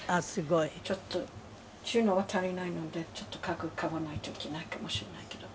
「ちょっと収納が足りないのでちょっと家具買わないといけないかもしれないけど」